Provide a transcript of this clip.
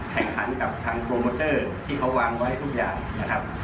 แข่งขันกับทางโปรโมเตอร์ที่เขาวางไว้ให้ทุกอย่างนะครับ